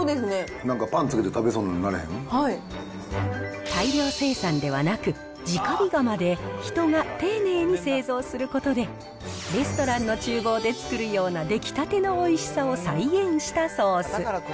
なんか、大量生産ではなく、じか火釜で人が丁寧に製造することで、レストランのちゅう房で作るような出来たてのおいしさを再現したソース。